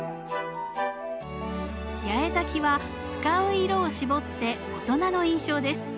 八重咲きは使う色を絞って大人の印象です。